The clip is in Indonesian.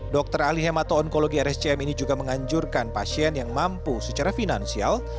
dokter alihem atau onkologi rsjm ini juga menganjurkan pasien yang mampu secara finansial